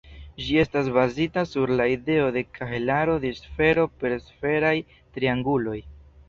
Ĝi estas bazita sur la ideo de kahelaro de sfero per sferaj trianguloj.